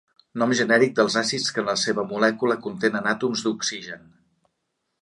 Nom genèric dels àcids que en la seva molècula contenen àtoms d'oxigen.